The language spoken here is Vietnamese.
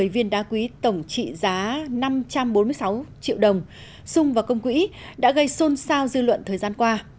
một mươi chín chín trăm một mươi viên đá quý tổng trị giá năm trăm bốn mươi sáu triệu đồng sung vào công quỹ đã gây xôn xao dư luận thời gian qua